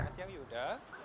selamat siang yuda